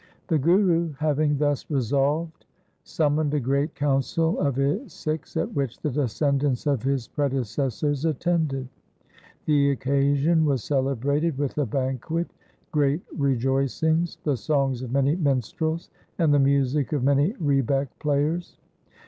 The Guru having thus resolved summoned a great council of his Sikhs at which the descendants of his predecessors attended. The occasion was celebrated with a banquet, great rejoicings, the songs of many minstrels, and the music of many rebeck players.